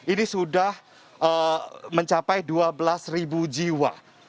ini sudah mencapai dua belas jiwa